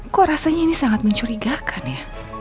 kok rasanya ini sangat mencurigakan ya